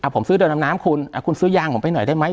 ผมซื้อเดินดำน้ำคุณคุณซื้อยางผมไปหน่อยได้ไหม